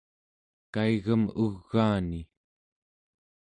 kaigem ugaani